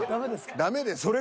ダメですか？